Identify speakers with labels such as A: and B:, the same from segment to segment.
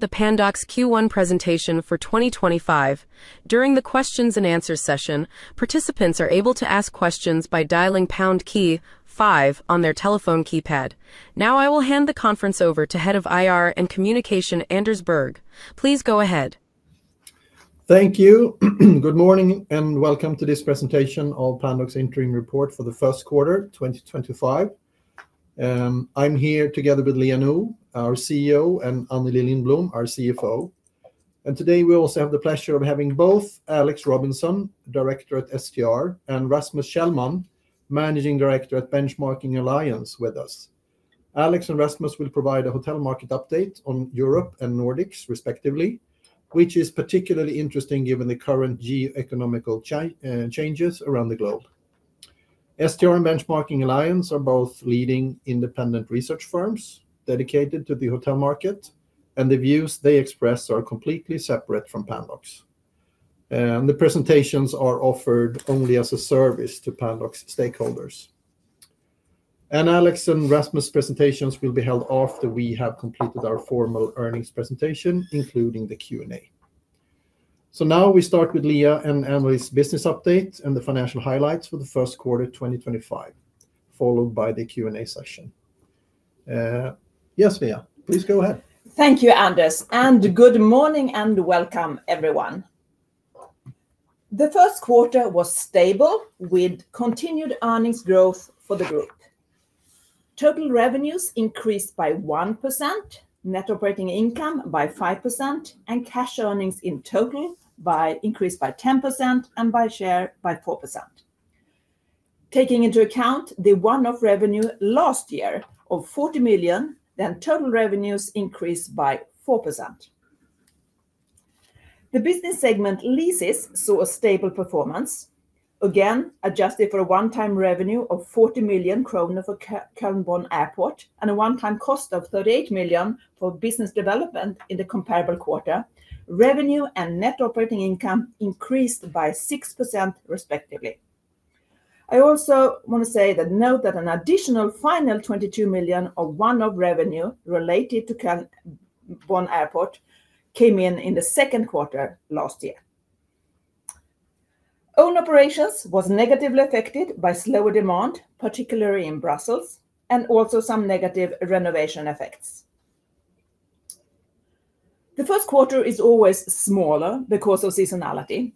A: The Pandox Q1 Presentation for 2025. During the Q&A session, participants are able to ask questions by dialing pound key, five on their telephone keypad. Now, I will hand the conference over to Head of IR and Communication, Anders Berg. Please go ahead.
B: Thank you. Good morning and welcome to this presentation of Pandox Interim Report for Q1 2025. I'm here together with Liia Nõu, our CEO, and Anneli Lindblom, our CFO. Today, we also have the pleasure of having both Alex Robinson, Director at STR, and Rasmus Kjellman, Managing Director at Benchmarking Alliance, with us. Alex and Rasmus will provide a hotel market update on Europe and Nordics, respectively, which is particularly interesting given the current geo-economic changes around the globe. STR and Benchmarking Alliance are both leading independent research firms dedicated to the hotel market, and the views they express are completely separate from Pandox. The presentations are offered only as a service to Pandox stakeholders. Alex and Rasmus' presentations will be held after we have completed our formal earnings presentation, including the Q&A. Now, we start with Liia Nõu's business update and the financial highlights for Q1 2025, followed by the Q&A session. Yes, Liia, please go ahead.
C: Thank you, Anders. Good morning and welcome, everyone. The Q1 was stable, with continued earnings growth for the group. Total revenues increased by 1%, net operating income by 5%, and cash earnings in total increased by 10% and by share by 4%. Taking into account the one-off revenue last year of 40 million, total revenues increased by 4%. The business segment, leases, saw a stable performance, again adjusted for a one-time revenue of 40 million krona for Cologne Bonn Airport and a one-time cost of 38 million for business development in the comparable quarter. Revenue and net operating income increased by 6%, respectively. I also want to note that an additional final 22 million of one-off revenue related to Cologne Bonn Airport came in in Q2 last year. Own operations was negatively affected by slower demand, particularly in Brussels, and also some negative renovation effects. The Q1 is always smaller because of seasonality,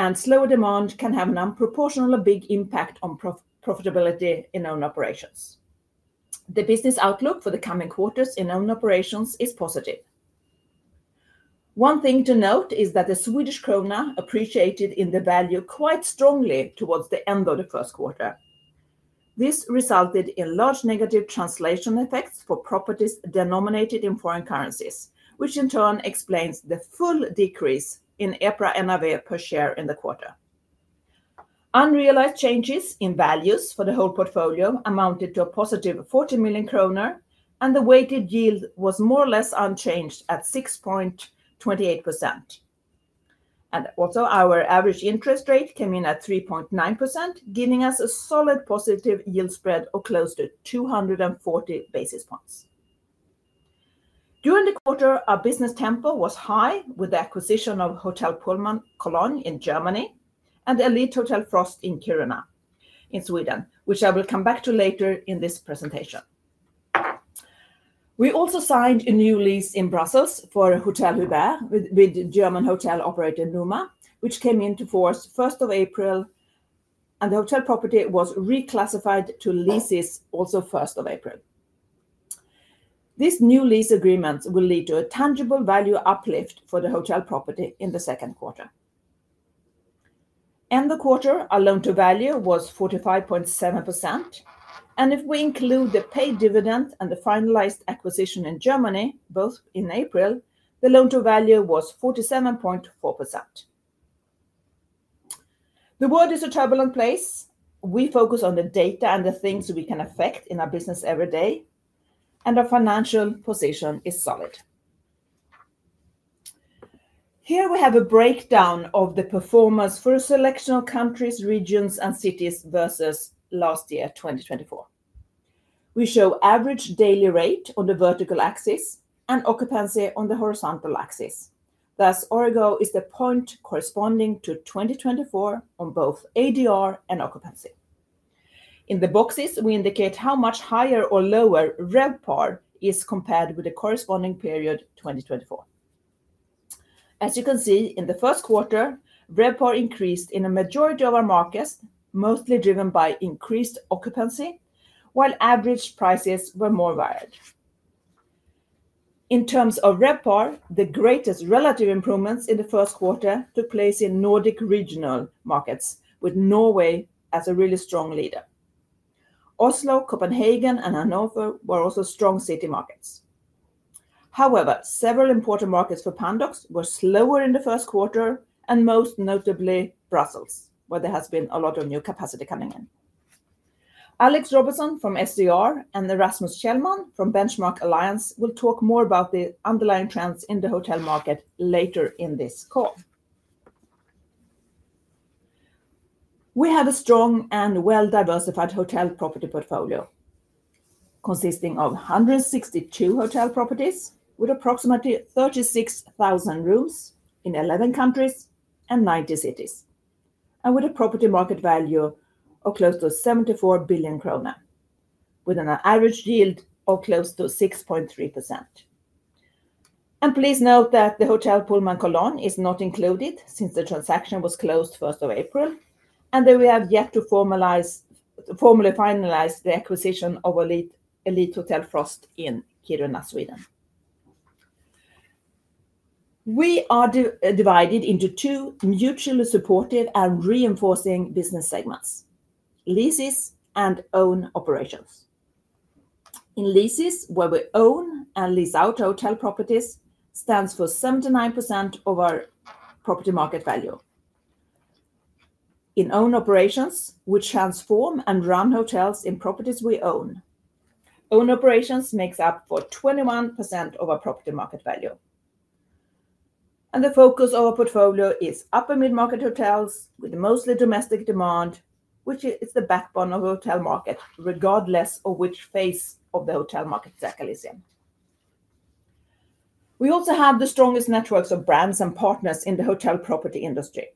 C: and slower demand can have an unproportionally big impact on profitability in own operations. The business outlook for the coming quarters in own operations is positive. One thing to note is that the Swedish krona appreciated in value quite strongly towards the end of Q1. This resulted in large negative translation effects for properties denominated in foreign currencies, which in turn explains the full decrease in EPRA NAV per share in the quarter. Unrealized changes in values for the whole portfolio amounted to a positive 40 million kronor, and the weighted yield was more or less unchanged at 6.28%. Our average interest rate came in at 3.9%, giving us a solid positive yield spread of close to 240 basis points. During the quarter, our business tempo was high with the acquisition of Hotel Pullman Cologne in Germany and Elite Hotel Frost in Kiruna in Sweden, which I will come back to later in this presentation. We also signed a new lease in Brussels for Hotel Hubert with German hotel operator Numa, which came into force on April 1st, and the hotel property was reclassified to leases also on April 1st. These new lease agreements will lead to a tangible value uplift for the hotel property in Q2. End-of-quarter loan-to-value was 45.7%. If we include the paid dividend and the finalized acquisition in Germany, both in April, the loan-to-value was 47.4%. The world is a turbulent place. We focus on the data and the things we can affect in our business every day, and our financial position is solid. Here we have a breakdown of the performance for a selection of countries, regions, and cities versus last year, 2024. We show average daily rate on the vertical axis and occupancy on the horizontal axis. Thus, origin is the point corresponding to 2024 on both ADR and occupancy. In the boxes, we indicate how much higher or lower RevPAR is compared with the corresponding period 2024. As you can see, in Q1, RevPAR increased in a majority of our markets, mostly driven by increased occupancy, while average prices were more varied. In terms of RevPAR, the greatest relative improvements in Q1 took place in Nordic regional markets, with Norway as a really strong leader. Oslo, Copenhagen, and Hanover were also strong city markets. However, several important markets for Pandox were slower in Q1, and most notably Brussels, where there has been a lot of new capacity coming in. Alex Robinson from STR and Rasmus Kjellman from Benchmarking Alliance will talk more about the underlying trends in the hotel market later in this call. We have a strong and well-diversified hotel property portfolio consisting of 162 hotel properties with approximately 36,000 rooms in 11 countries and 90 cities, and with a property market value of close to 74 billion krona, with an average yield of close to 6.3%. Please note that the Hotel Pullman Cologne is not included since the transaction was closed on April 1st, and that we have yet to formally finalize the acquisition of Elite Hotel Frost in Kiruna, Sweden. We are divided into two mutually supportive and reinforcing business segments: leases and own operations. In leases, where we own and lease out hotel properties, stands for 79% of our property market value. In own operations, we transform and run hotels in properties we own. Own operations makes up for 21% of our property market value. The focus of our portfolio is upper-mid-market hotels with mostly domestic demand, which is the backbone of the hotel market, regardless of which phase of the hotel market cycle it is in. We also have the strongest networks of brands and partners in the hotel property industry.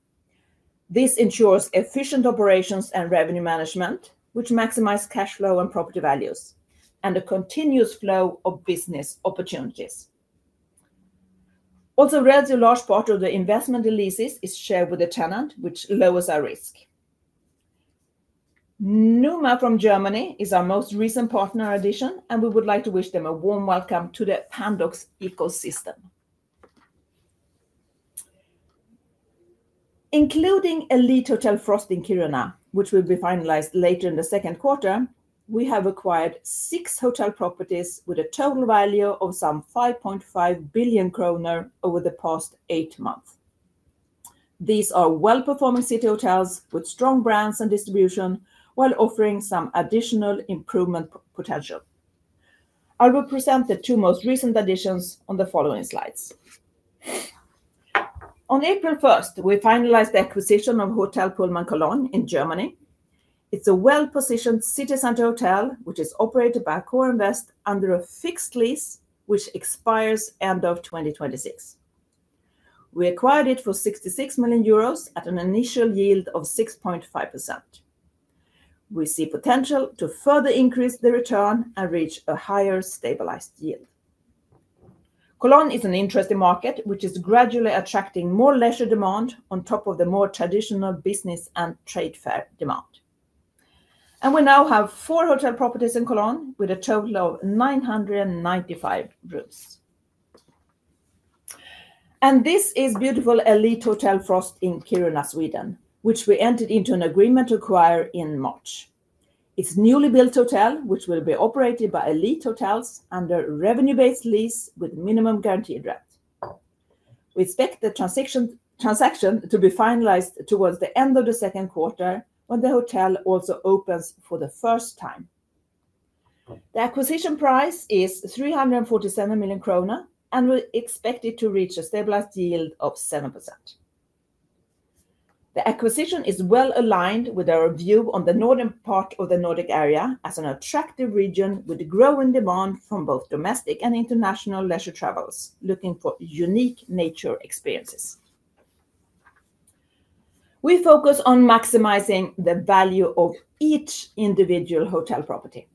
C: This ensures efficient operations and revenue management, which maximizes cash flow and property values, and a continuous flow of business opportunities. Also, a relatively large part of the investment in leases is shared with the tenant, which lowers our risk. Numa from Germany is our most recent partner addition, and we would like to wish them a warm welcome to the Pandox ecosystem. Including Elite Hotel Frost in Kiruna, which will be finalized later in Q2, we have acquired six hotel properties with a total value of some 5.5 billion kronor over the past eight months. These are well-performing city hotels with strong brands and distribution, while offering some additional improvement potential. I will present the two most recent additions on the following slides. On April 1st, we finalized the acquisition of Hotel Pullman Cologne in Germany. It is a well-positioned city center hotel, which is operated by AccorInvest under a fixed lease, which expires end of 2026. We acquired it for 66 million euros at an initial yield of 6.5%. We see potential to further increase the return and reach a higher stabilized yield. Cologne is an interesting market, which is gradually attracting more leisure demand on top of the more traditional business and trade fair demand. We now have four hotel properties in Cologne with a total of 995 rooms. This is the beautiful Elite Hotel Frost in Kiruna, Sweden, which we entered into an agreement to acquire in March. It is a newly built hotel, which will be operated by Elite Hotels under a revenue-based lease with minimum guaranteed rent. We expect the transaction to be finalized towards the end of Q2, when the hotel also opens for the first time. The acquisition price is 347 million kronor, and we expect it to reach a stabilized yield of 7%. The acquisition is well aligned with our view on the northern part of the Nordic area as an attractive region with growing demand from both domestic and international leisure travelers looking for unique nature experiences. We focus on maximizing the value of each individual hotel property.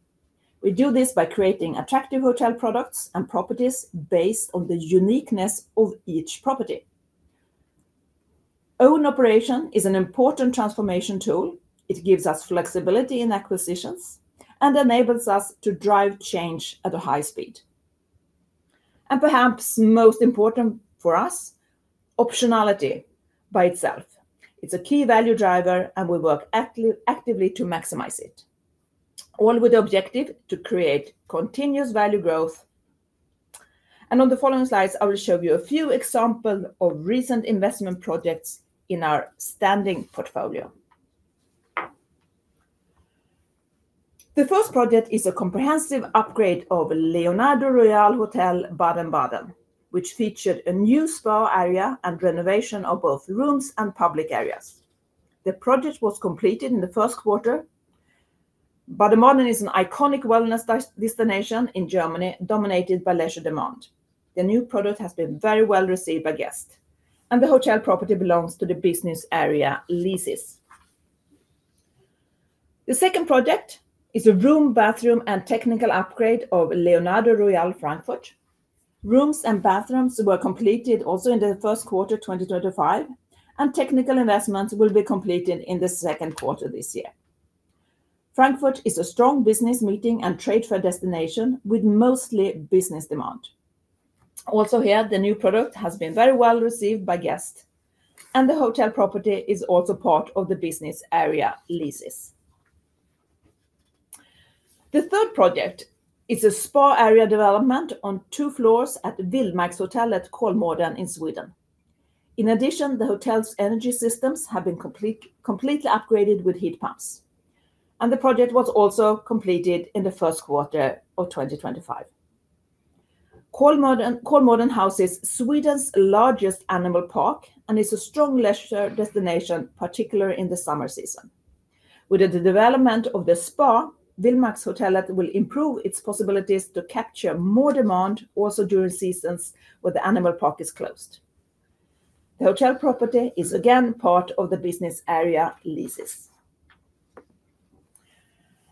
C: We do this by creating attractive hotel products and properties based on the uniqueness of each property. Own operation is an important transformation tool. It gives us flexibility in acquisitions and enables us to drive change at a high speed. Perhaps most important for us, optionality by itself. It is a key value driver, and we work actively to maximize it, all with the objective to create continuous value growth. On the following slides, I will show you a few examples of recent investment projects in our standing portfolio. The first project is a comprehensive upgrade of Leonardo Royal Hotel Baden-Baden, which featured a new spa area and renovation of both rooms and public areas. The project was completed in Q1. Baden-Baden is an iconic wellness destination in Germany dominated by leisure demand. The new product has been very well received by guests, and the hotel property belongs to the business area leases. The second project is a room, bathroom, and technical upgrade of Leonardo Royal Frankfurt. Rooms and bathrooms were completed also in Q1 2025, and technical investments will be completed in Q2 this year. Frankfurt is a strong business meeting and trade fair destination with mostly business demand. Also, here, the new product has been very well received by guests, and the hotel property is also part of the business area leases. The third project is a spa area development on two floors at Vildmarkshotellet Kolmården in Sweden. In addition, the hotel's energy systems have been completely upgraded with heat pumps, and the project was also completed in Q1 of 2025. Kolmården houses Sweden's largest animal park and is a strong leisure destination, particularly in the summer season. With the development of the spa, Vildmarkshotellet will improve its possibilities to capture more demand also during seasons when the animal park is closed. The hotel property is again part of the business area leases.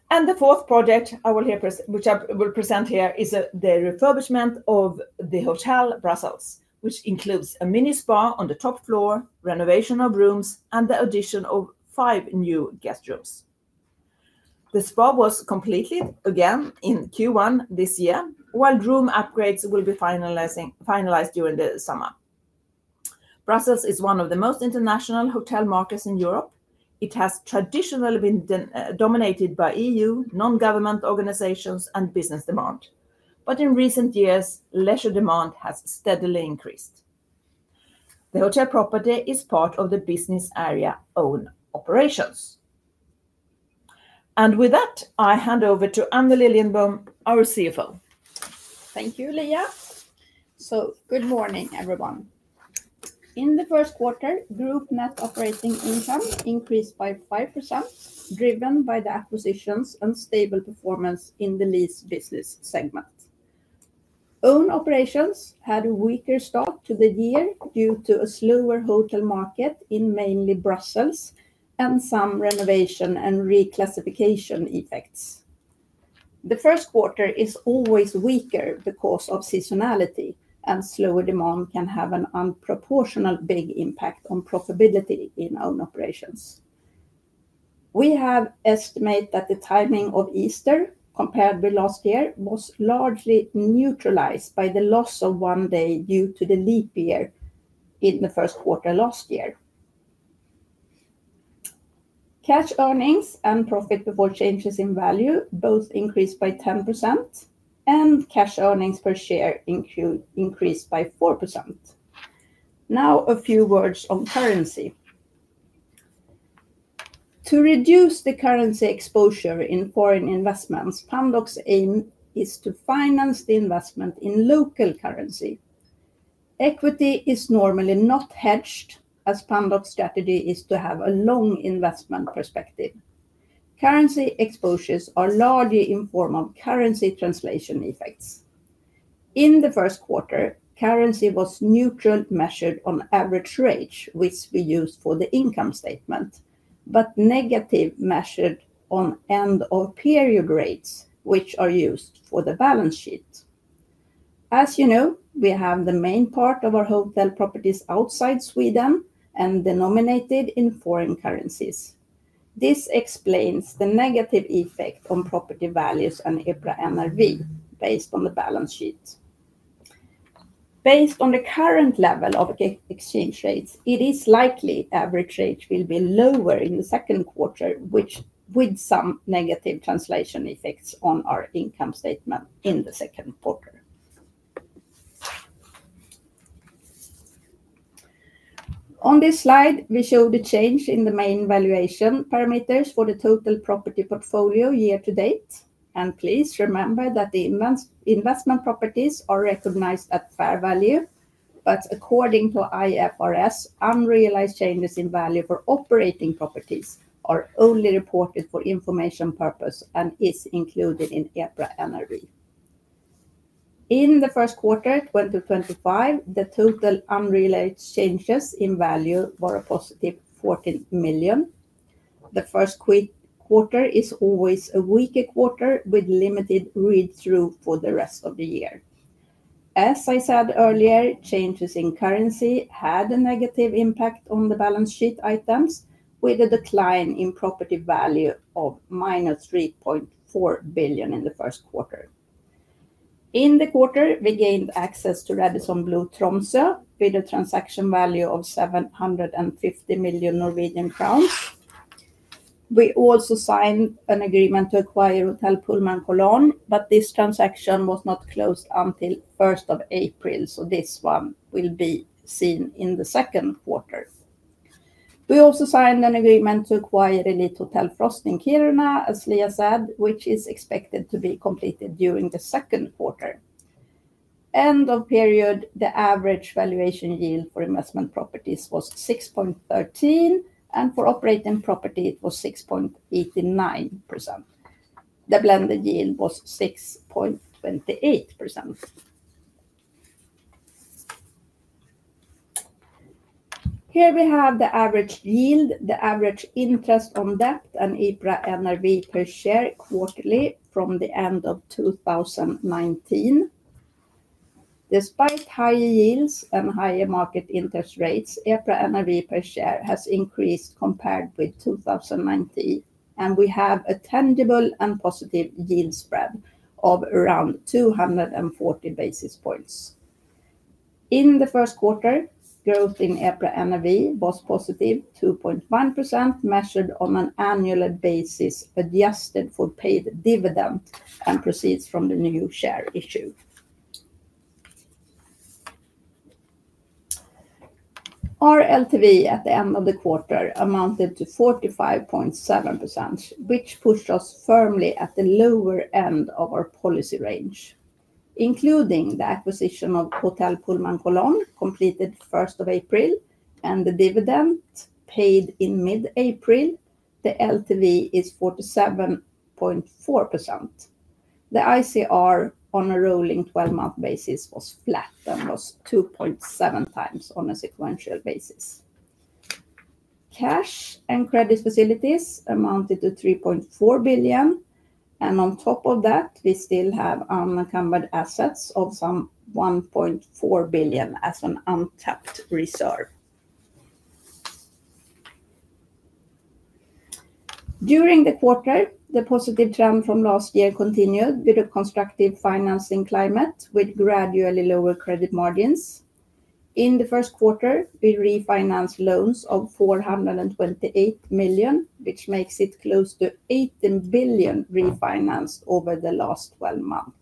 C: The fourth project I will present here is the refurbishment of the Hotel Hubert in Brussels, which includes a mini spa on the top floor, renovation of rooms, and the addition of five new guest rooms. The spa was completed again in Q1 this year, while room upgrades will be finalized during the summer. Brussels is one of the most international hotel markets in Europe. It has traditionally been dominated by EU, non-government organizations, and business demand. In recent years, leisure demand has steadily increased. The hotel property is part of the business area own operations. With that, I hand over to Anneli Lindblom, our CFO.
D: Thank you, Liia. Good morning, everyone.In Q1, Group net operating income increased by 5%, driven by the acquisitions and stable performance in the lease business segment. Own operations had a weaker start to the year due to a slower hotel market in mainly Brussels and some renovation and reclassification effects. The first quarter is always weaker because of seasonality, and slower demand can have an unproportionately big impact on profitability in own operations. We have estimated that the timing of Easter, compared with last year, was largely neutralized by the loss of one day due to the leap year in Q1 last year. Cash earnings and profit before changes in value both increased by 10%, and cash earnings per share increased by 4%. Now, a few words on currency. To reduce the currency exposure in foreign investments, Pandox aims to finance the investment in local currency. Equity is normally not hedged, as Pandox's strategy is to have a long investment perspective. Currency exposures are largely in the form of currency translation effects. In Q1, currency was neutral measured on average rate, which we used for the income statement, but negative measured on end-of-period rates, which are used for the balance sheet. As you know, we have the main part of our hotel properties outside Sweden and denominated in foreign currencies. This explains the negative effect on property values and EPRA NAV based on the balance sheet. Based on the current level of exchange rates, it is likely average rate will be lower in Q2, which with some negative translation effects on our income statement in Q2. On this slide, we show the change in the main valuation parameters for the total property portfolio year to date. Please remember that the investment properties are recognized at fair value, but according to IFRS, unrealized changes in value for operating properties are only reported for information purposes and are included in EPRA NRV. In Q1 2025, the total unrealized changes in value were a positive 14 million. The first quarter is always a weaker quarter with limited read-through for the rest of the year. As I said earlier, changes in currency had a negative impact on the balance sheet items, with a decline in property value of minus 3.4 billion in Q1. In Q1, we gained access to Radisson Blu Tromsø with a transaction value of 750 million Norwegian crowns. We also signed an agreement to acquire Hotel Pullman Cologne, but this transaction was not closed until April 1st, so this one will be seen in Q2. We also signed an agreement to acquire Elite Hotel Frost in Kiruna, as Liia said, which is expected to be completed during Q2. End of period, the average valuation yield for investment properties was 6.13%, and for operating property, it was 6.89%. The blended yield was 6.28%. Here we have the average yield, the average interest on debt, and EPRA NRV per share quarterly from the end of 2019. Despite higher yields and higher market interest rates, EPRA NRV per share has increased compared with 2019, and we have a tangible and positive yield spread of around 240 basis points. In Q1, growth in EPRA NRV was positive, 2.1%, measured on an annual basis, adjusted for paid dividend, and proceeds from the new share issue. Our LTV at the end of the quarter amounted to 45.7%, which pushed us firmly at the lower end of our policy range. Including the acquisition of Hotel Pullman Cologne, completed Q1, and the dividend paid in mid-April, the LTV is 47.4%. The ICR on a rolling 12-month basis was flat and was 2.7 times on a sequential basis. Cash and credit facilities amounted to 3.4 billion, and on top of that, we still have unencumbered assets of some 1.4 billion as an untapped reserve. During the quarter, the positive trend from last year continued with a constructive financing climate with gradually lower credit margins. In Q1, we refinanced loans of 428 million, which makes it close to 18 billion refinanced over the last 12 months.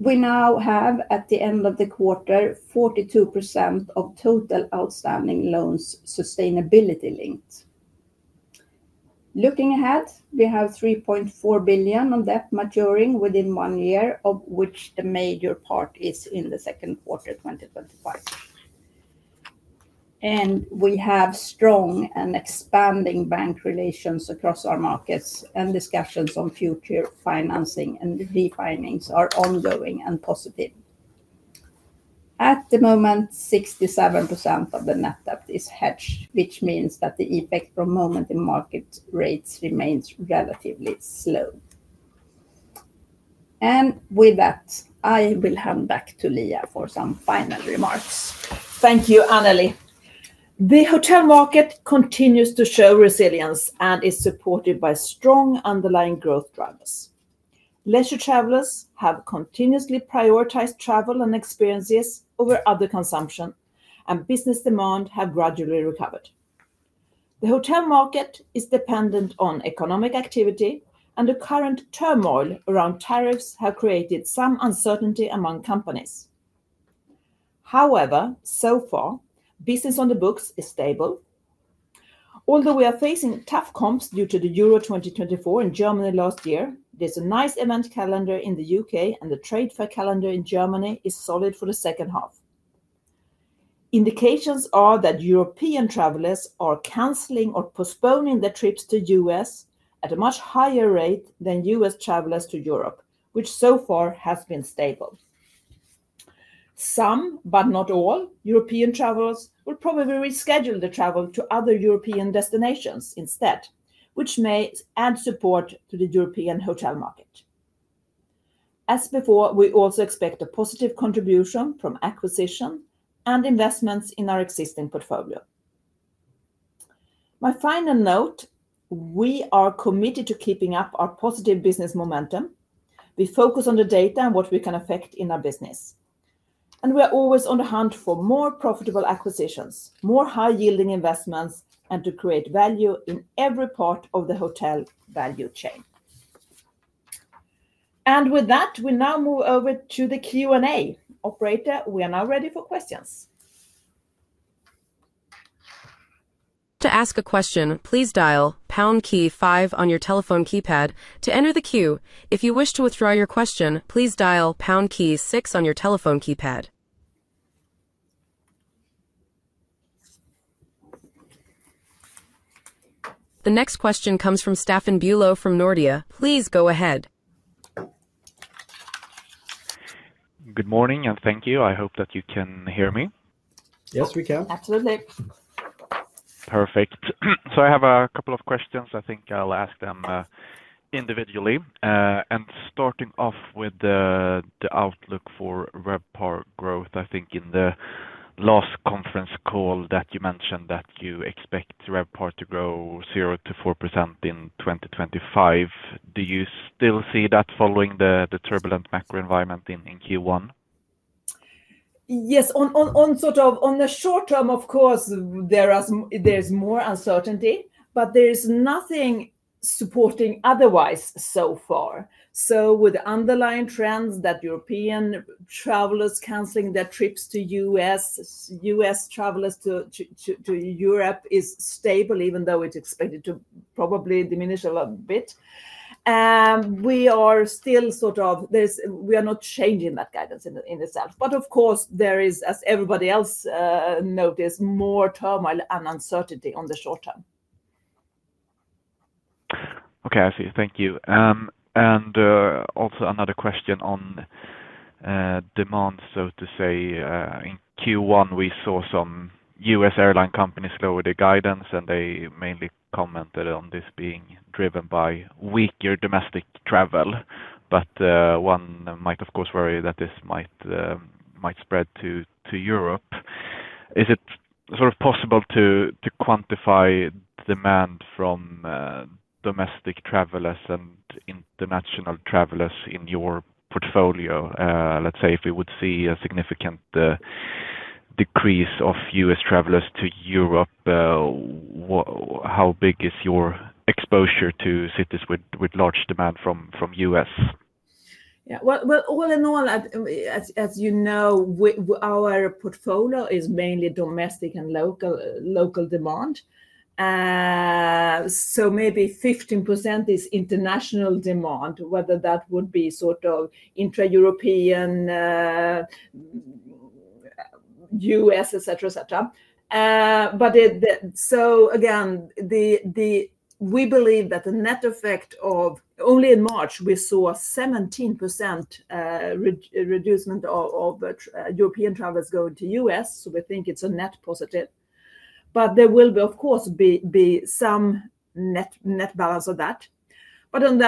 D: We now have, at the end of the quarter, 42% of total outstanding loans sustainability-linked. Looking ahead, we have 3.4 billion on debt maturing within one year, of which the major part is in Q2 2025. We have strong and expanding bank relations across our markets, and discussions on future financing and refinancing are ongoing and positive. At the moment, 67% of the net debt is hedged, which means that the effect from momentum market rates remains relatively slow. With that, I will hand back to Liia for some final remarks.
C: Thank you, Anneli. The hotel market continues to show resilience and is supported by strong underlying growth drivers. Leisure travelers have continuously prioritized travel and experiences over other consumption, and business demand has gradually recovered. The hotel market is dependent on economic activity, and the current turmoil around tariffs has created some uncertainty among companies. However, so far, business on the books is stable. Although we are facing tough comps due to the Euro 2024 in Germany last year, there's a nice event calendar in the U.K., and the trade fair calendar in Germany is solid for the second half. Indications are that European travelers are canceling or postponing their trips to the U.S. at a much higher rate than U.S. travelers to Europe, which so far has been stable. Some, but not all, European travelers will probably reschedule their travel to other European destinations instead, which may add support to the European hotel market. As before, we also expect a positive contribution from acquisitions and investments in our existing portfolio. My final note: we are committed to keeping up our positive business momentum. We focus on the data and what we can affect in our business. We are always on the hunt for more profitable acquisitions, more high-yielding investments, and to create value in every part of the hotel value chain. With that, we now move over to the Q&A. Operator, we are now ready for questions.
A: To ask a question, please dial pound key five on your telephone keypad to enter the queue. If you wish to withdraw your question, please dial pound key six on your telephone keypad. The next question comes from Staffan Bülow from Nordea. Please go ahead.
E: Good morning, and thank you. I hope that you can hear me.
B: Yes, we can.
C: Absolutely.
E: Perfect. I have a couple of questions. I think I'll ask them individually. Starting off with the outlook for RevPAR growth, I think in the last conference call you mentioned that you expect RevPAR to grow 0-4% in 2025. Do you still see that following the turbulent macro environment in Q1?
C: Yes. In the short term, of course, there is more uncertainty, but there is nothing supporting otherwise so far. With the underlying trends that European travelers are canceling their trips to the U.S., U.S. travelers to Europe is stable, even though it is expected to probably diminish a little bit. We are still sort of—we are not changing that guidance in itself. Of course, there is, as everybody else noticed, more turmoil and uncertainty in the short term.
E: Okay, I see. Thank you. Also, another question on demand, so to say. In Q1, we saw some U.S. airline companies lower their guidance, and they mainly commented on this being driven by weaker domestic travel. One might, of course, worry that this might spread to Europe. Is it possible to quantify demand from domestic travelers and international travelers in your portfolio? Let's say if we would see a significant decrease of U.S. travelers to Europe, how big is your exposure to cities with large demand from the U.S.?
C: Yeah. All in all, as you know, our portfolio is mainly domestic and local demand. Maybe 15% is international demand, whether that would be sort of intra-European, U.S., etc., etc. Again, we believe that the net effect of—only in March, we saw a 17% reduction of European travelers going to the U.S., so we think it's a net positive. There will, of course, be some net balance of that. On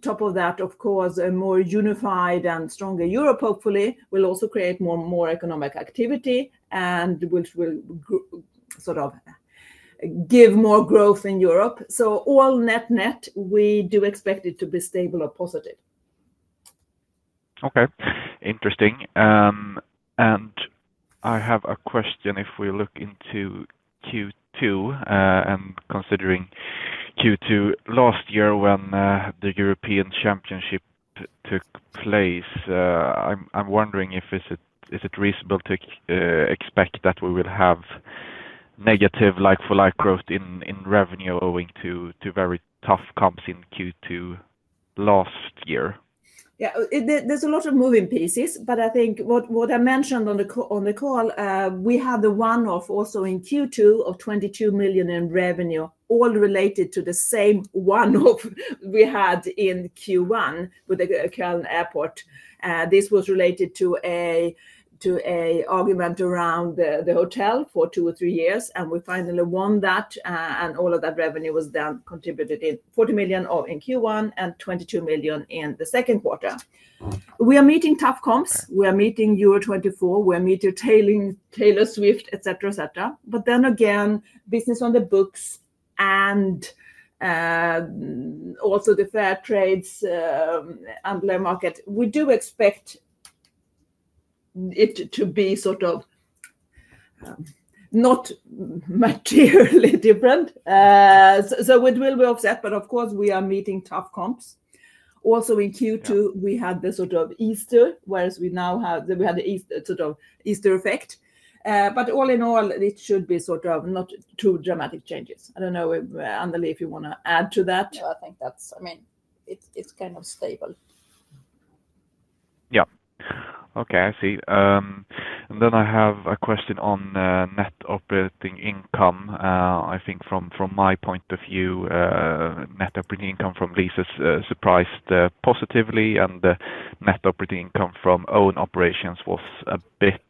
C: top of that, of course, a more unified and stronger Europe, hopefully, will also create more economic activity and will sort of give more growth in Europe. All net net, we do expect it to be stable or positive.
E: Okay. Interesting. I have a question. If we look into Q2 and considering Q2 last year when the European Championship took place, I'm wondering if it's reasonable to expect that we will have negative like-for-like growth in revenue owing to very tough comps in Q2 last year.
C: Yeah. There's a lot of moving pieces, but I think what I mentioned on the call, we had the one-off also in Q2 of 22 million in revenue, all related to the same one-off we had in Q1 with the Cologne Airport. This was related to an argument around the hotel for two or three years, and we finally won that, and all of that revenue was then contributed in 40 million in Q1 and 22 million in the second quarter. We are meeting tough comps. We are meeting Euro 2024. We are meeting Taylor Swift, etc., etc. Then again, business on the books and also the trade fairs underlying market, we do expect it to be sort of not materially different. We will be offset, but of course, we are meeting tough comps. Also in Q2, we had the sort of Easter, whereas we now have the sort of Easter effect. All in all, it should be sort of not too dramatic changes. I do not know, Anneli, if you want to add to that.
D: I think that is—I mean, it is kind of stable.
E: Yeah. Okay, I see. I have a question on net operating income. I think from my point of view, net operating income from leases surprised positively, and net operating income from own operations was a bit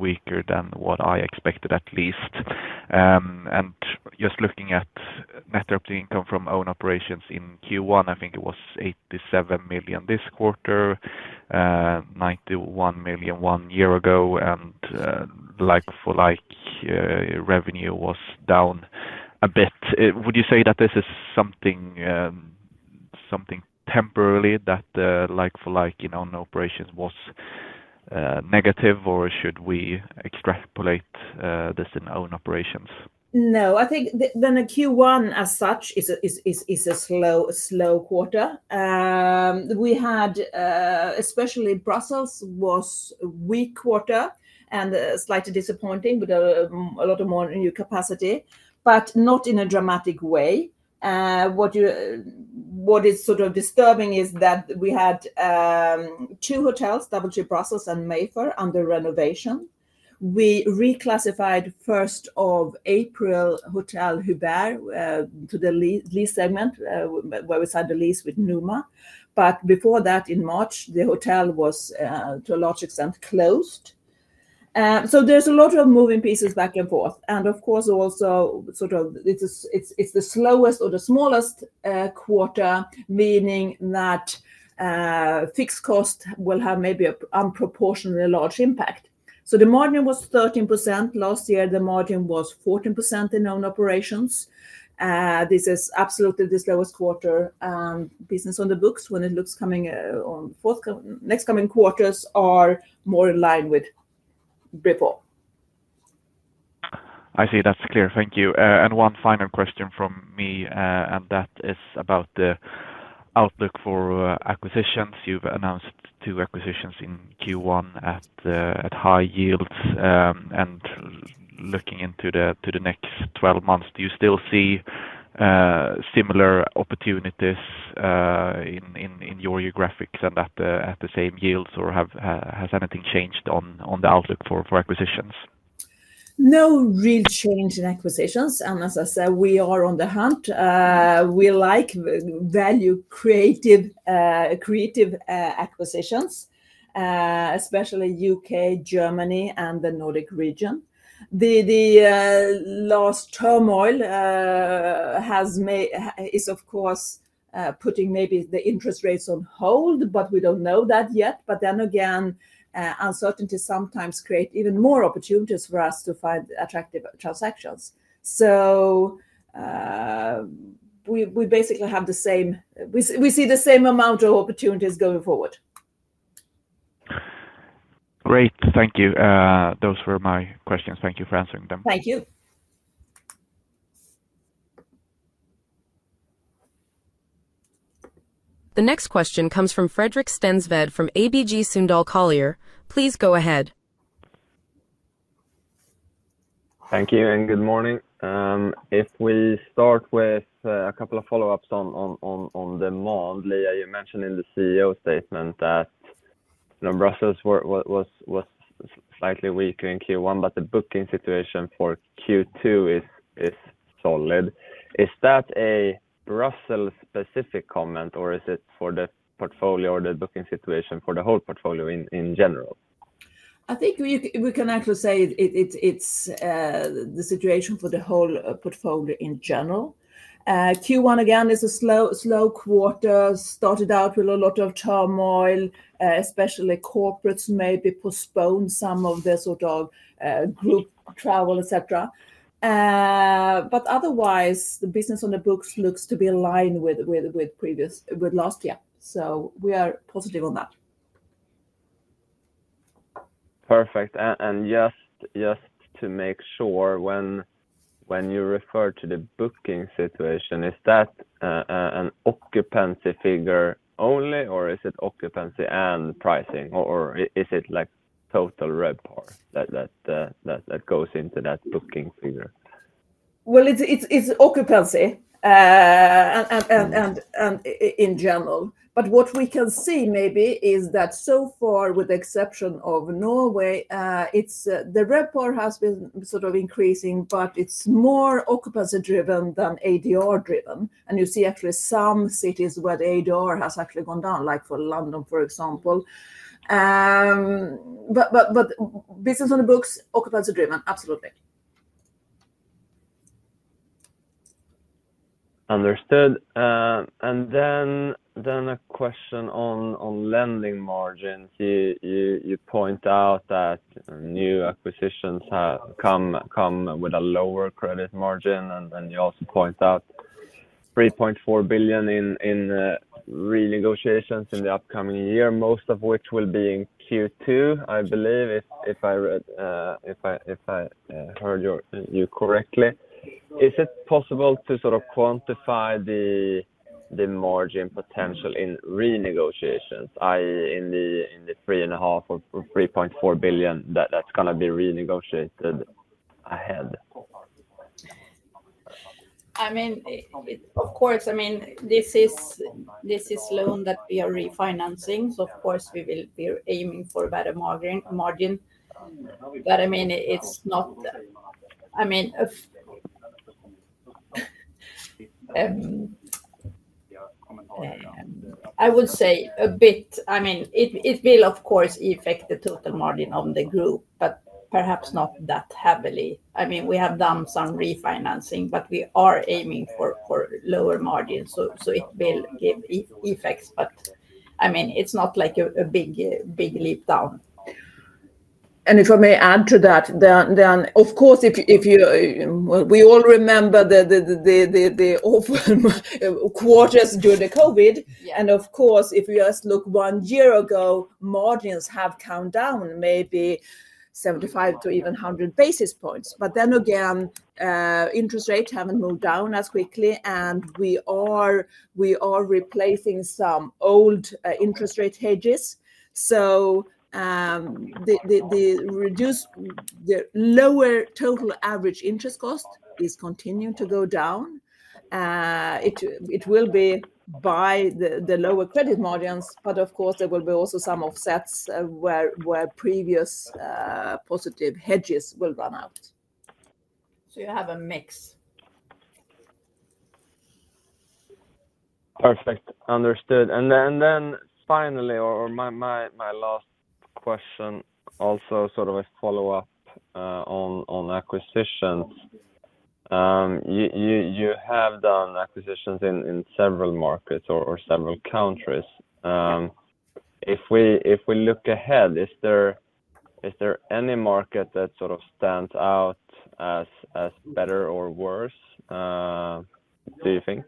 E: weaker than what I expected, at least. Just looking at net operating income from own operations in Q1, I think it was 87 million this quarter, 91 million one year ago, and like-for-like revenue was down a bit. Would you say that this is something temporary, that like-for-like in own operations was negative, or should we extrapolate this in own operations?
C: No. I think Q1 as such is a slow quarter. We had, especially Brussels, a weak quarter and slightly disappointing with a lot more new capacity, but not in a dramatic way. What is sort of disturbing is that we had two hotels, DoubleTree by Hilton Brussels and Mayfair Brussels, under renovation. We reclassified 1st April Hotel Hubert to the lease segment where we signed the lease with Numa. Before that, in March, the hotel was, to a large extent, closed. There are a lot of moving pieces back and forth. Of course, also sort of it's the slowest or the smallest quarter, meaning that fixed costs will have maybe an unproportionately large impact. The margin was 13%. Last year, the margin was 14% in own operations. This is absolutely the slowest quarter. Business on the books, when it looks coming next coming quarters, are more in line with BRIPO.
E: I see. That's clear. Thank you. One final question from me, and that is about the outlook for acquisitions. You've announced two acquisitions in Q1 at high yields. Looking into the next 12 months, do you still see similar opportunities in your graphics and at the same yields, or has anything changed on the outlook for acquisitions?
C: No real change in acquisitions. As I said, we are on the hunt. We like value-creative acquisitions, especially U.K., Germany, and the Nordic region. The last turmoil is, of course, putting maybe the interest rates on hold, but we do not know that yet. Then again, uncertainty sometimes creates even more opportunities for us to find attractive transactions. We basically have the same—we see the same amount of opportunities going forward.
E: Great. Thank you. Those were my questions. Thank you for answering them.
C: Thank you.
A: The next question comes from Fredrik Stensved from ABG Sundal Collier. Please go ahead.
F: Thank you and good morning. If we start with a couple of follow-ups on demand, Liia, you mentioned in the CEO statement that Brussels was slightly weaker in Q1, but the booking situation for Q2 is solid. Is that a Brussels-specific comment, or is it for the portfolio or the booking situation for the whole portfolio in general?
C: I think we can actually say it is the situation for the whole portfolio in general. Q1, again, is a slow quarter, started out with a lot of turmoil, especially corporates maybe postponed some of their sort of group travel, etc. Otherwise, the business on the books looks to be aligned with last year. We are positive on that.
F: Perfect. Just to make sure, when you refer to the booking situation, is that an occupancy figure only, or is it occupancy and pricing, or is it total RevPAR that goes into that booking figure?
C: It is occupancy in general. What we can see maybe is that so far, with the exception of Norway, the RevPAR has been sort of increasing, but it is more occupancy-driven than ADR-driven. You see actually some cities where the ADR has actually gone down, like for London, for example. Business on the books, occupancy-driven, absolutely.
F: Understood. A question on lending margins. You point out that new acquisitions come with a lower credit margin, and then you also point out 3.4 billion in renegotiations in the upcoming year, most of which will be in Q2, I believe, if I heard you correctly. Is it possible to sort of quantify the margin potential in renegotiations, i.e., in the 3.5 billion or 3.4 billion that's going to be renegotiated ahead?
D: I mean, of course, I mean, this is loan that we are refinancing. So of course, we will be aiming for a better margin. I mean, it's not—I mean, I would say a bit—I mean, it will, of course, affect the total margin of the group, but perhaps not that heavily. I mean, we have done some refinancing, but we are aiming for lower margins. It will give effects, but I mean, it's not like a big leap down.
C: If I may add to that, of course, we all remember the awful quarters during COVID. Of course, if you just look one year ago, margins have come down maybe 75 to even 100 basis points. Then again, interest rates have not moved down as quickly, and we are replacing some old interest rate hedges. The lower total average interest cost is continuing to go down. It will be by the lower credit margins, but of course, there will also be some offsets where previous positive hedges will run out. You have a mix.
F: Perfect. Understood. Finally, or my last question, also sort of a follow-up on acquisitions. You have done acquisitions in several markets or several countries. If we look ahead, is there any market that sort of stands out as better or worse, do you think?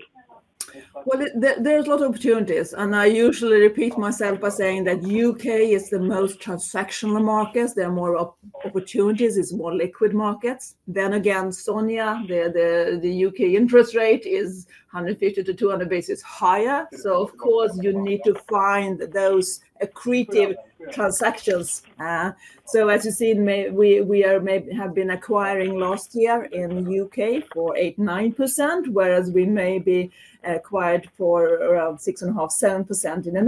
C: There is a lot of opportunities. I usually repeat myself by saying that the U.K. is the most transactional market. There are more opportunities. It is a more liquid market. SONIA, the U.K. interest rate is 150-200 basis points higher. Of course, you need to find those accretive transactions. As you see, we have been acquiring last year in the U.K. for 8%-9%, whereas we maybe acquired for around 6.5%-7% in the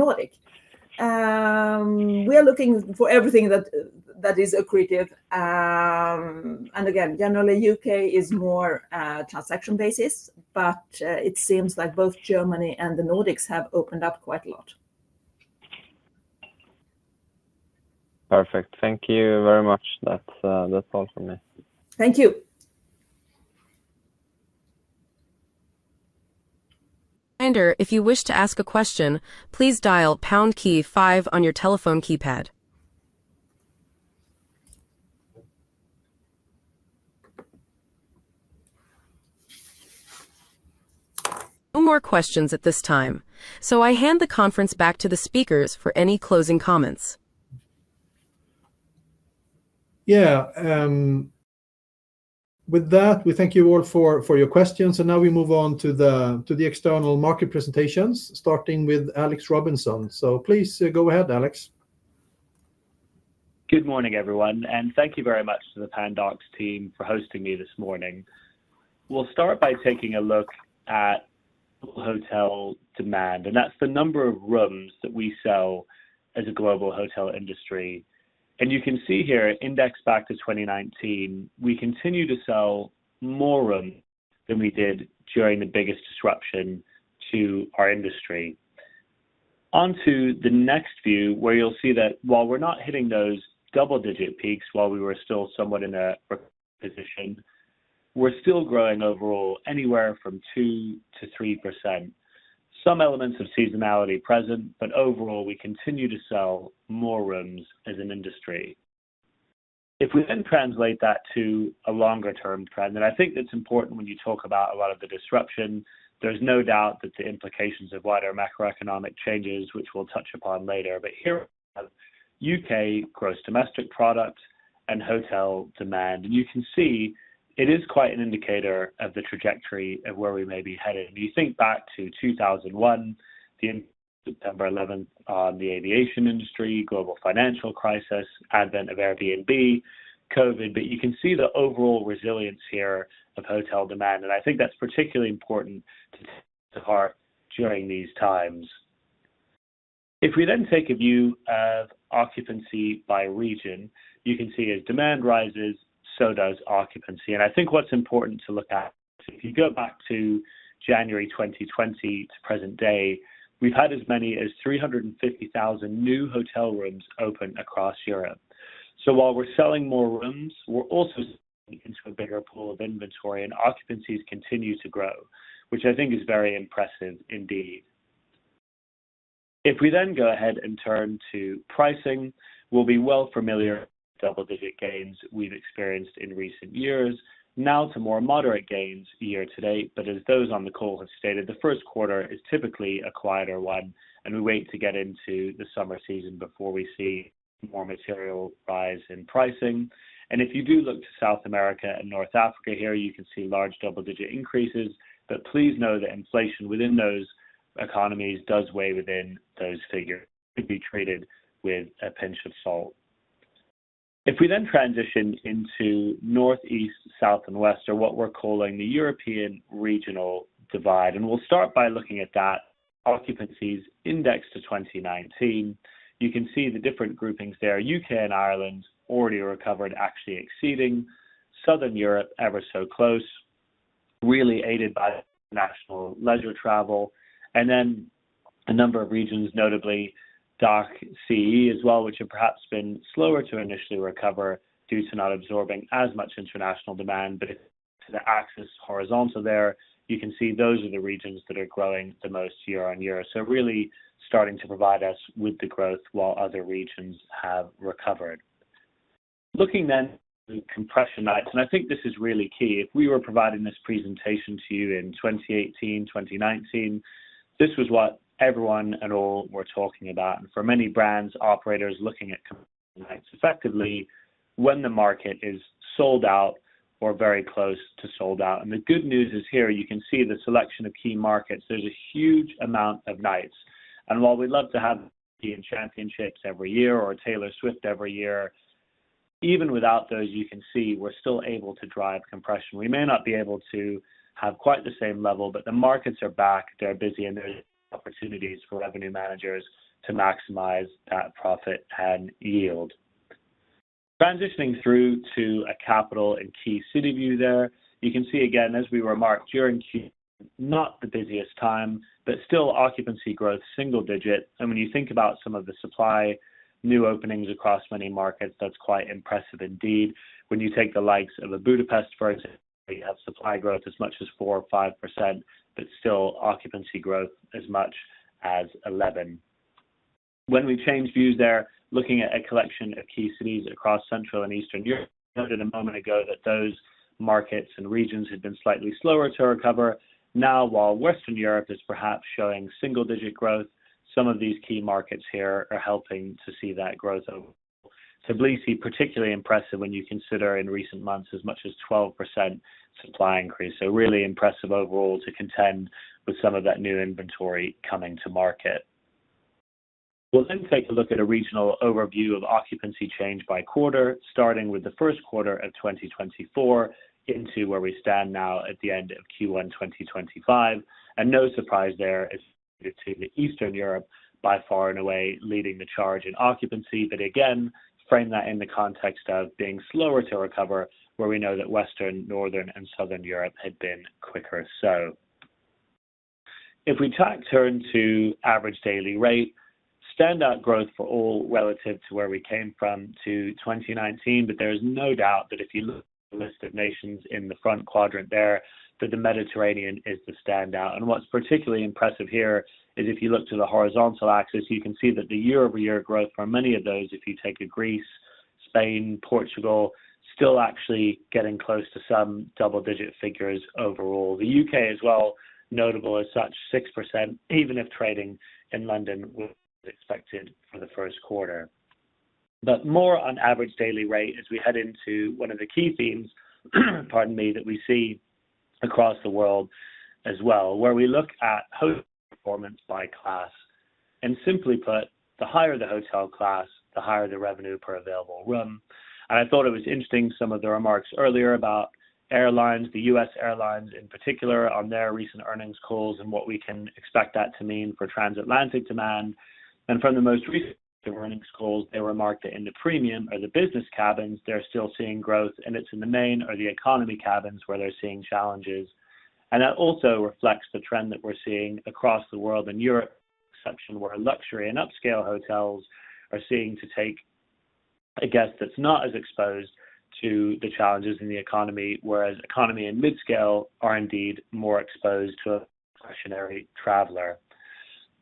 C: Nordics. We are looking for everything that is accretive. Generally, the U.K. is more transaction basis, but it seems like both Germany and the Nordics have opened up quite a lot.
F: Perfect. Thank you very much. That is all from me.
C: Thank you.
A: Reminder, if you wish to ask a question, please dial pound key five on your telephone keypad. No more questions at this time. I hand the conference back to the speakers for any closing comments.
B: Yeah. With that, we thank you all for your questions. We move on to the external market presentations, starting with Alex Robinson. Please go ahead, Alex.
G: Good morning, everyone. Thank you very much to the Pandox team for hosting me this morning. We'll start by taking a look at hotel demand. That's the number of rooms that we sell as a global hotel industry. You can see here, indexed back to 2019, we continue to sell more rooms than we did during the biggest disruption to our industry. Onto the next view, where you'll see that while we're not hitting those double-digit peaks while we were still somewhat in a recovery position, we're still growing overall anywhere from 2%-3%. Some elements of seasonality present, but overall, we continue to sell more rooms as an industry. If we then translate that to a longer-term trend, and I think that's important when you talk about a lot of the disruption, there's no doubt that the implications of wider macroeconomic changes, which we'll touch upon later. Here we have U.K. gross domestic product and hotel demand. You can see it is quite an indicator of the trajectory of where we may be headed. You think back to 2001, September 11th, on the aviation industry, global financial crisis, advent of Airbnb, COVID. You can see the overall resilience here of hotel demand. I think that's particularly important to take to heart during these times. If we then take a view of occupancy by region, you can see as demand rises, so does occupancy. I think what's important to look at, if you go back to January 2020 to present day, we've had as many as 350,000 new hotel rooms open across Europe. While we're selling more rooms, we're also selling into a bigger pool of inventory, and occupancies continue to grow, which I think is very impressive indeed. If we then go ahead and turn to pricing, we'll be well familiar with double-digit gains we've experienced in recent years, now to more moderate gains year to date. As those on the call have stated, the first quarter is typically a quieter one, and we wait to get into the summer season before we see more material rise in pricing. If you do look to South America and North Africa here, you can see large double-digit increases. Please know that inflation within those economies does weigh within those figures. It should be treated with a pinch of salt. If we then transition into Northeast, South, and West, or what we're calling the European regional divide, and we'll start by looking at that occupancies index to 2019, you can see the different groupings there. U.K. and Ireland already recovered, actually exceeding. Southern Europe, ever so close, really aided by international leisure travel. Then a number of regions, notably DACH, CEE as well, which have perhaps been slower to initially recover due to not absorbing as much international demand. If you look to the axis horizontal there, you can see those are the regions that are growing the most year on year. Really starting to provide us with the growth while other regions have recovered. Looking then to compression nights, and I think this is really key. If we were providing this presentation to you in 2018, 2019, this was what everyone and all were talking about. For many brands, operators looking at compression nights effectively when the market is sold out or very close to sold out. The good news is here, you can see the selection of key markets. There is a huge amount of nights. While we would love to have Championships every year or Taylor Swift every year, even without those, you can see we are still able to drive compression. We may not be able to have quite the same level, but the markets are back. They are busy, and there are opportunities for revenue managers to maximize that profit and yield. Transitioning through to a capital and key city view there, you can see again, as we were marked during Q1, not the busiest time, but still occupancy growth, single digit. When you think about some of the supply new openings across many markets, that's quite impressive indeed. When you take the likes of Budapest, for example, you have supply growth as much as 4%-5%, but still occupancy growth as much as 11%. When we change views there, looking at a collection of key cities across Central and Eastern Europe, I noted a moment ago that those markets and regions had been slightly slower to recover. Now, while Western Europe is perhaps showing single-digit growth, some of these key markets here are helping to see that growth overall. Tbilisi, particularly impressive when you consider in recent months as much as 12% supply increase. Really impressive overall to contend with some of that new inventory coming to market. We'll then take a look at a regional overview of occupancy change by quarter, starting with the first quarter of 2024 into where we stand now at the end of Q1 2025. No surprise there is to Eastern Europe by far and away leading the charge in occupancy. Again, frame that in the context of being slower to recover, where we know that Western, Northern, and Southern Europe had been quicker so. If we turn to average daily rate, standout growth for all relative to where we came from to 2019. There is no doubt that if you look at the list of nations in the front quadrant there, the Mediterranean is the standout. What's particularly impressive here is if you look to the horizontal axis, you can see that the year-over-year growth for many of those, if you take Greece, Spain, Portugal, still actually getting close to some double-digit figures overall. The U.K. as well, notable as such, 6%, even if trading in London was expected for the first quarter. More on average daily rate as we head into one of the key themes, pardon me, that we see across the world as well, where we look at hotel performance by class. Simply put, the higher the hotel class, the higher the revenue per available room. I thought it was interesting some of the remarks earlier about airlines, the U.S. airlines in particular, on their recent earnings calls and what we can expect that to mean for transatlantic demand. From the most recent earnings calls, they remarked that in the premium or the business cabins, they're still seeing growth, and it's in the main or the economy cabins where they're seeing challenges. That also reflects the trend that we're seeing across the world and Europe, exception where luxury and upscale hotels are seeing to take a guest that's not as exposed to the challenges in the economy, whereas economy and mid-scale are indeed more exposed to a questionary traveler.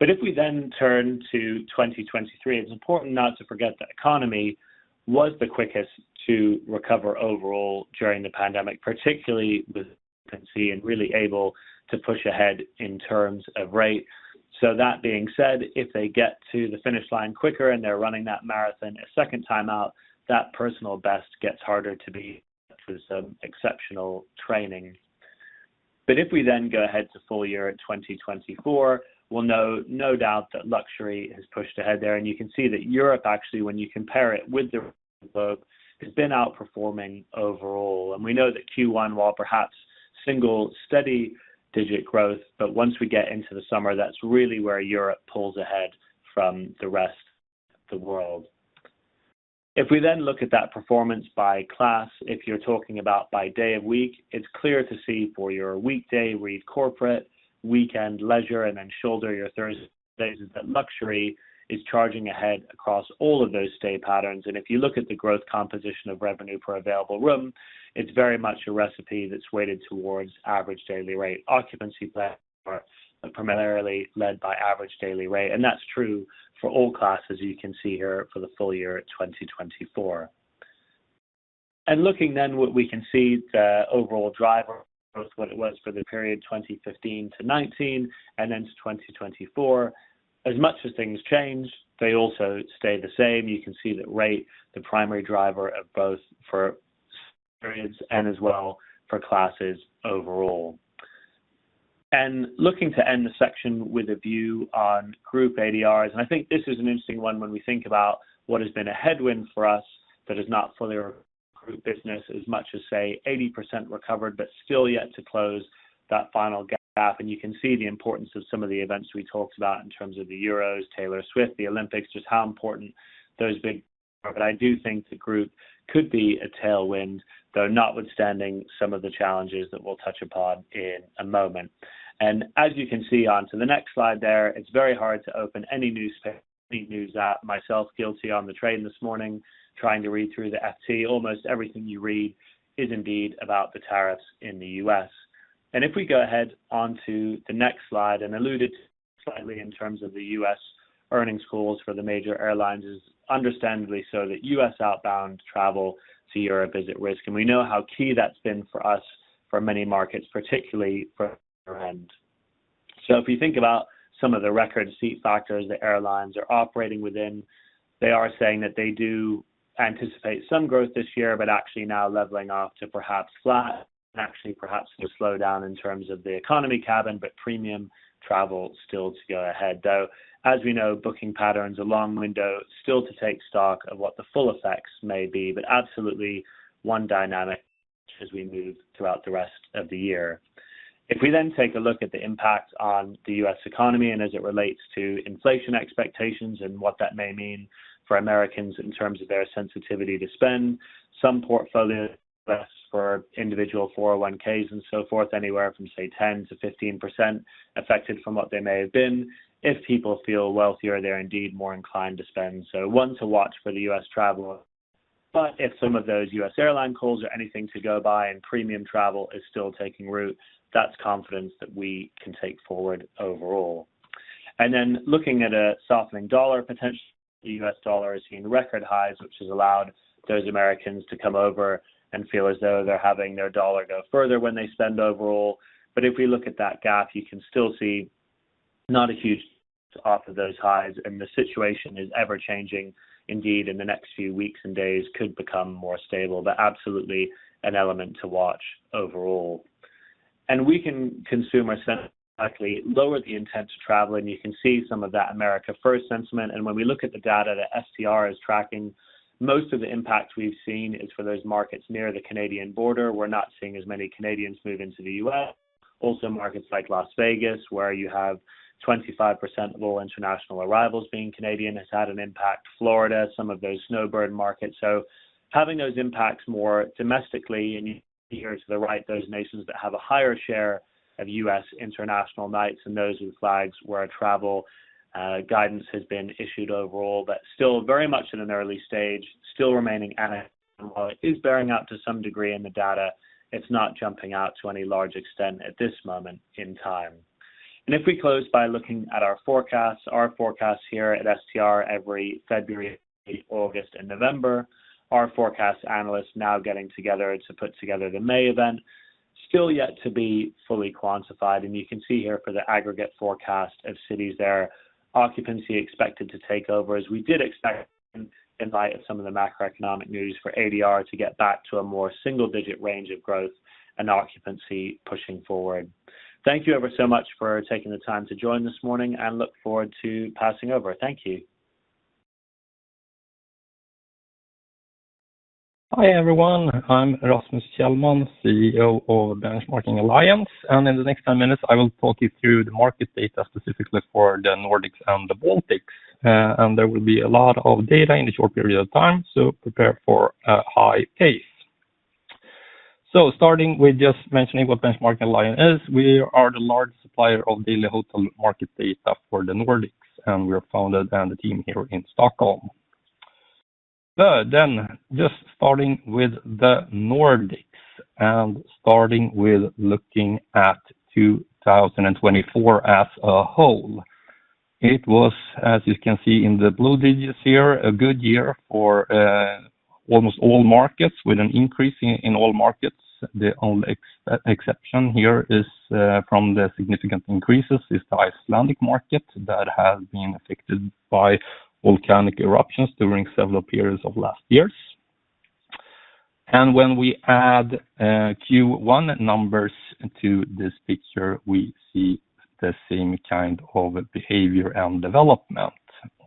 G: If we then turn to 2023, it's important not to forget that economy was the quickest to recover overall during the pandemic, particularly with occupancy and really able to push ahead in terms of rate. That being said, if they get to the finish line quicker and they're running that marathon a second time out, that personal best gets harder to be achieved through some exceptional training. If we then go ahead to full year 2024, we'll know no doubt that luxury has pushed ahead there. You can see that Europe, actually, when you compare it with the rest of the world, has been outperforming overall. We know that Q1, while perhaps single steady digit growth, but once we get into the summer, that's really where Europe pulls ahead from the rest of the world. If we then look at that performance by class, if you're talking about by day of week, it's clear to see for your weekday read corporate, weekend leisure, and then shoulder your Thursdays is that luxury is charging ahead across all of those stay patterns. If you look at the growth composition of revenue per available room, it is very much a recipe that is weighted towards average daily rate. Occupancy planning is primarily led by average daily rate. That is true for all classes, you can see here for the full year 2024. Looking then, what we can see is the overall driver of growth, what it was for the period 2015 to 2019, and then to 2024. As much as things change, they also stay the same. You can see that rate is the primary driver of growth for periods and as well for classes overall. Looking to end the section with a view on group ADRs. I think this is an interesting one when we think about what has been a headwind for us that has not fully recovered business as much as, say, 80% recovered, but still yet to close that final gap. You can see the importance of some of the events we talked about in terms of the Euros, Taylor Swift, the Olympics, just how important those big growth. I do think the group could be a tailwind, though notwithstanding some of the challenges that we'll touch upon in a moment. As you can see onto the next slide there, it's very hard to open any newspaper, any news app. Myself guilty on the train this morning, trying to read through the FT. Almost everything you read is indeed about the tariffs in the U.S. If we go ahead onto the next slide and alluded slightly in terms of the U.S. earnings calls for the major airlines, it is understandably so that U.S. outbound travel to Europe is at risk. We know how key that's been for us, for many markets, particularly for Transient. If you think about some of the record seat factors that airlines are operating within, they are saying that they do anticipate some growth this year, but actually now leveling off to perhaps flat, actually perhaps a slowdown in terms of the economy cabin, but premium travel still to go ahead. Though, as we know, booking patterns are long window, still to take stock of what the full effects may be, but absolutely one dynamic as we move throughout the rest of the year. If we then take a look at the impact on the U.S. economy and as it relates to inflation expectations and what that may mean for Americans in terms of their sensitivity to spend, some portfolio for individual 401(k)s and so forth, anywhere from, say, 10%-15% affected from what they may have been. If people feel wealthier, they're indeed more inclined to spend. One to watch for the U.S. travel. If some of those U.S. airline calls are anything to go by and premium travel is still taking root, that's confidence that we can take forward overall. Looking at a softening dollar, potentially the U.S. dollar has seen record highs, which has allowed those Americans to come over and feel as though they're having their dollar go further when they spend overall. If we look at that gap, you can still see not a huge off of those highs. The situation is ever-changing. Indeed, in the next few weeks and days, it could become more stable, but absolutely an element to watch overall. We can see consumer sentiment likely lower the intent to travel. You can see some of that America First sentiment. When we look at the data that STR is tracking, most of the impact we've seen is for those markets near the Canadian border. We're not seeing as many Canadians move into the U.S. Also, markets like Las Vegas, where you have 25% of all international arrivals being Canadian, have had an impact. Florida, some of those snowbird markets. Having those impacts more domestically and here to the right, those nations that have a higher share of U.S. international nights and those with flags where travel guidance has been issued overall, but still very much at an early stage, still remaining anonymous. While it is bearing up to some degree in the data, it is not jumping out to any large extent at this moment in time. If we close by looking at our forecasts, our forecasts here at STR every February, August, and November, our forecast analysts now getting together to put together the May event, still yet to be fully quantified. You can see here for the aggregate forecast of cities there, occupancy expected to take over as we did expect in light of some of the macroeconomic news for ADR to get back to a more single-digit range of growth and occupancy pushing forward. Thank you ever so much for taking the time to join this morning, and look forward to passing over. Thank you.
H: Hi everyone. I'm Rasmus Kjellman, CEO of Benchmarking Alliance. In the next 10 minutes, I will talk you through the market data specifically for the Nordics and the Baltics. There will be a lot of data in the short period of time, so prepare for a high pace. Starting with just mentioning what Benchmarking Alliance is, we are the large supplier of daily hotel market data for the Nordics, and we are founded and the team here in Stockholm. Starting with the Nordics and looking at 2024 as a whole, it was, as you can see in the blue digits here, a good year for almost all markets with an increase in all markets. The only exception here from the significant increases is the Icelandic market that has been affected by volcanic eruptions during several periods of last years. When we add Q1 numbers to this picture, we see the same kind of behavior and development.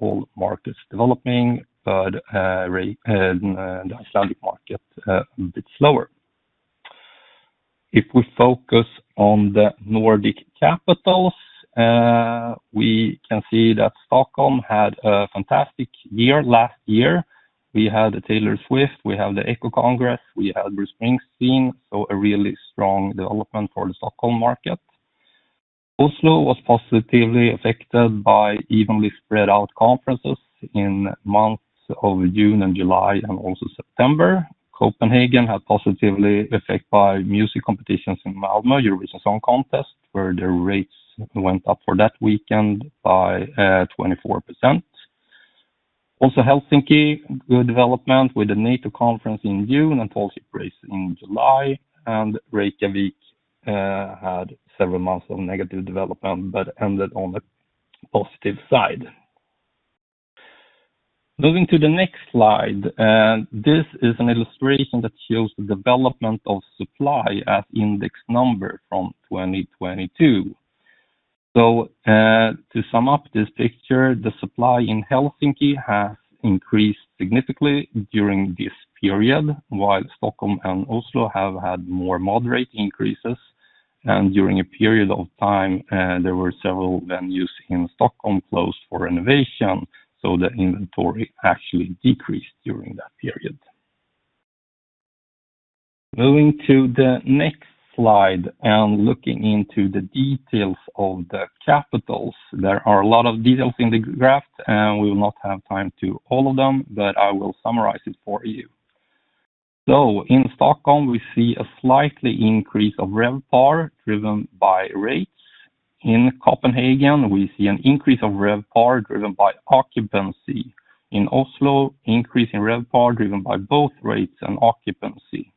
H: All markets developing, but the Icelandic market a bit slower. If we focus on the Nordic capitals, we can see that Stockholm had a fantastic year last year. We had the Taylor Swift, we had the ECCO Congress, we had Bruce Springsteen, so a really strong development for the Stockholm market. Oslo was positively affected by evenly spread out conferences in months of June and July and also September. Copenhagen had positively affected by music competitions in Malmö, Eurovision Song Contest, where the rates went up for that weekend by 24%. Also, Helsinki, good development with the NATO conference in June and Tall Ship Race in July. Reykjavik had several months of negative development, but ended on the positive side. Moving to the next slide, this is an illustration that shows the development of supply as index number from 2022. To sum up this picture, the supply in Helsinki has increased significantly during this period, while Stockholm and Oslo have had more moderate increases. During a period of time, there were several venues in Stockholm closed for renovation, so the inventory actually decreased during that period. Moving to the next slide and looking into the details of the capitals, there are a lot of details in the graph, and we will not have time to go through all of them, but I will summarize it for you. In Stockholm, we see a slight increase of RevPAR driven by rates. In Copenhagen, we see an increase of RevPAR driven by occupancy. In Oslo, increase in RevPAR driven by both rates and occupancy.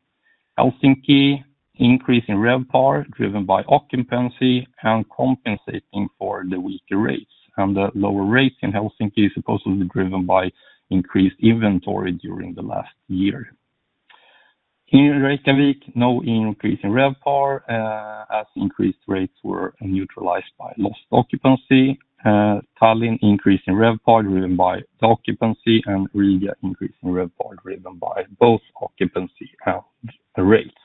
H: Helsinki, increase in RevPAR driven by occupancy and compensating for the weaker rates. The lower rates in Helsinki are supposedly driven by increased inventory during the last year. In Reykjavik, no increase in RevPAR as increased rates were neutralized by lost occupancy. Tallinn, increase in RevPAR driven by occupancy and Riga, increase in RevPAR driven by both occupancy and rates.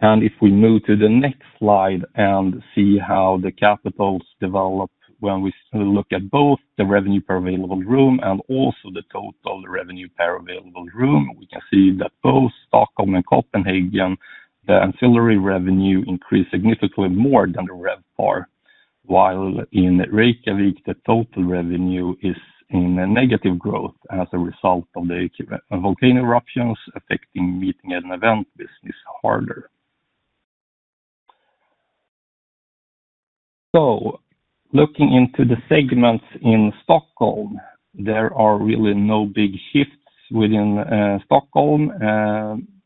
H: If we move to the next slide and see how the capitals develop, when we look at both the revenue per available room and also the total revenue per available room, we can see that both Stockholm and Copenhagen, the ancillary revenue increased significantly more than the RevPAR. While in Reykjavik, the total revenue is in negative growth as a result of the volcano eruptions affecting meeting and event business harder. Looking into the segments in Stockholm, there are really no big shifts within Stockholm.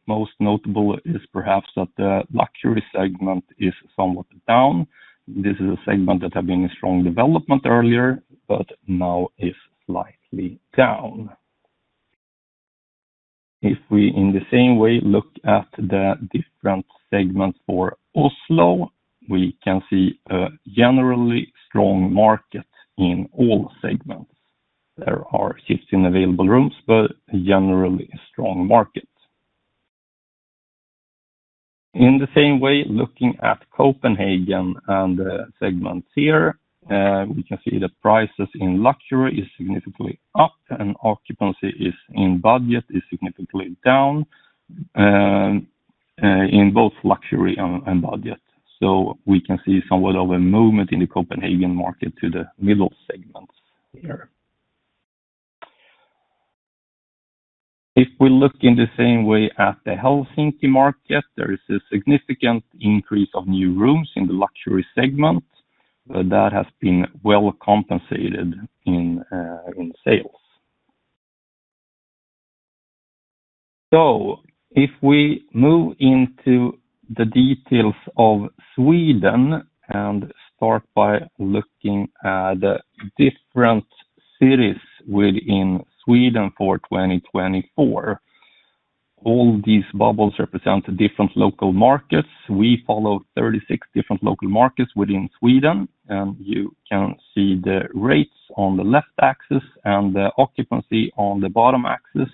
H: Most notable is perhaps that the luxury segment is somewhat down. This is a segment that had been in strong development earlier, but now is slightly down. If we in the same way look at the different segments for Oslo, we can see a generally strong market in all segments. There are shifts in available rooms, but generally a strong market. In the same way, looking at Copenhagen and the segments here, we can see that prices in luxury are significantly up and occupancy in budget is significantly down in both luxury and budget. We can see somewhat of a movement in the Copenhagen market to the middle segments here. If we look in the same way at the Helsinki market, there is a significant increase of new rooms in the luxury segment, but that has been well compensated in sales. If we move into the details of Sweden and start by looking at different cities within Sweden for 2024, all these bubbles represent different local markets. We follow 36 different local markets within Sweden, and you can see the rates on the left axis and the occupancy on the bottom axis,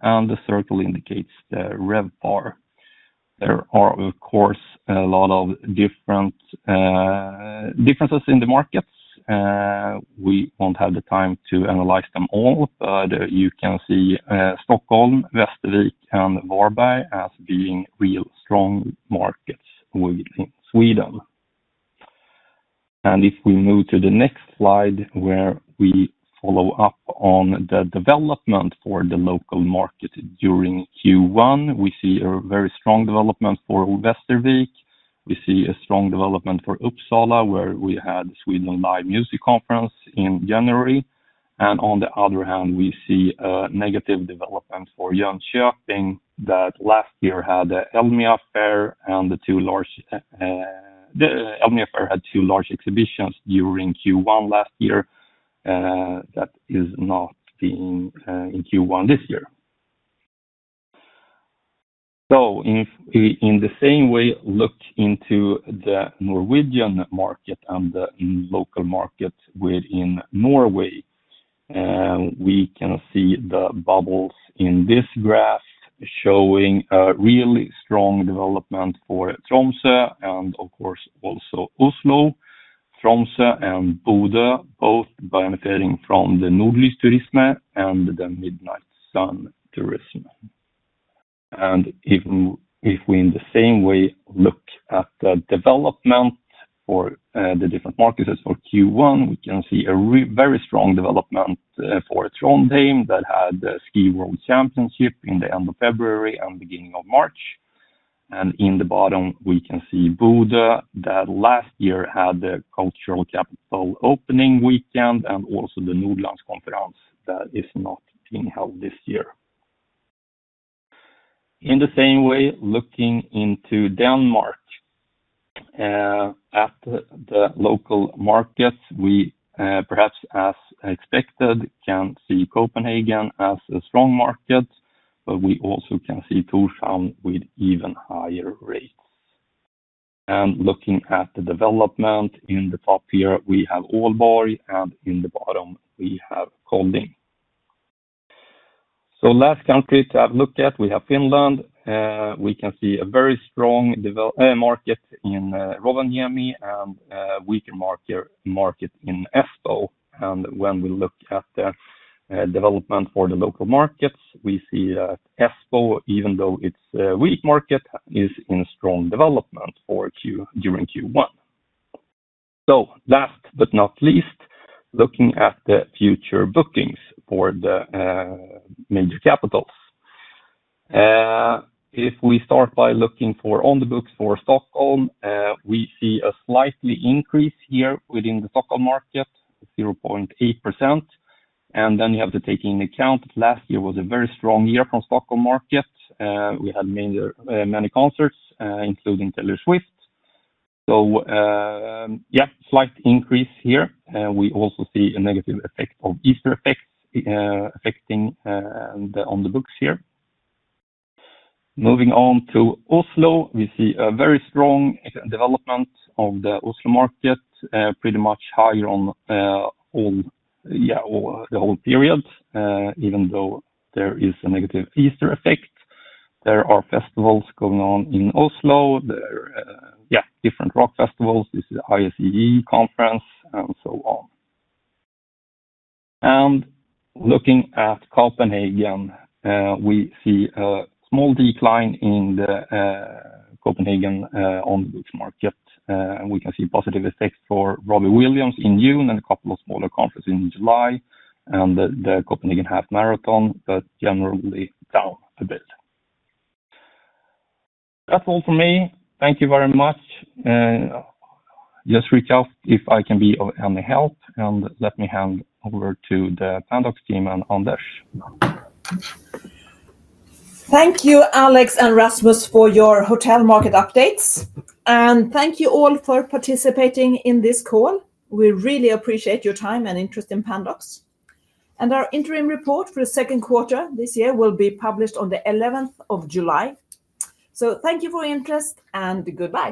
H: and the circle indicates the RevPAR. There are, of course, a lot of differences in the markets. We won't have the time to analyze them all, but you can see Stockholm, Västervik, and Varberg as being real strong markets within Sweden. If we move to the next slide, where we follow up on the development for the local market during Q1, we see a very strong development for Västervik. We see a strong development for Uppsala, where we had Sweden Live Music Conference in January. On the other hand, we see a negative development for Jönköping that last year had the Elmia Fair, and the two large Elmia Fair had two large exhibitions during Q1 last year that is not being in Q1 this year. In the same way, look into the Norwegian market and the local market within Norway. We can see the bubbles in this graph showing a really strong development for Tromsø and, of course, also Oslo. Tromsø and Bodø, both benefiting from the Northern Lights tourism and the Midnight Sun tourism. If we in the same way look at the development for the different markets for Q1, we can see a very strong development for Trondheim that had the Ski World Championship in the end of February and beginning of March. In the bottom, we can see Bodø that last year had the cultural capital opening weekend and also the Nordlandskonferansen that is not being held this year. In the same way, looking into Denmark at the local markets, we perhaps, as expected, can see Copenhagen as a strong market, but we also can see Tórshavn with even higher rates. Looking at the development in the top here, we have Aalborg, and in the bottom, we have Kolding. The last country to have a look at is Finland. We can see a very strong market in Rovaniemi and a weaker market in Espoo. When we look at the development for the local markets, we see that Espoo, even though it is a weak market, is in strong development during Q1. Last but not least, looking at the future bookings for the major capitals. If we start by looking for on the books for Stockholm, we see a slight increase here within the Stockholm market, 0.8%. You have to take into account that last year was a very strong year for the Stockholm market. We had many concerts, including Taylor Swift. Yeah, slight increase here. We also see a negative effect of Easter effects affecting the on the books here. Moving on to Oslo, we see a very strong development of the Oslo market, pretty much higher on the whole period, even though there is a negative Easter effect. There are festivals going on in Oslo, different rock festivals, this is the ISEE Conference, and so on. Looking at Copenhagen, we see a small decline in the Copenhagen on the books market. We can see positive effects for Robbie Williams in June and a couple of smaller conferences in July and the Copenhagen Half Marathon, but generally down a bit. That's all for me. Thank you very much. Just reach out if I can be of any help, and let me hand over to the Pandox team and Anders.
C: Thank you, Alex and Rasmus, for your hotel market updates. Thank you all for participating in this call. We really appreciate your time and interest in Pandox. Our interim report for the second quarter this year will be published on the 11th of July. Thank you for your interest and good luck.